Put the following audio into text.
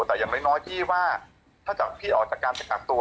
แต่อย่างน้อยพี่ว่าถ้าจากพี่ออกจากการไปกักตัว